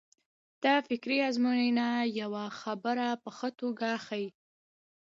دا فکري ازموینه یوه خبره په ښه توګه ښيي.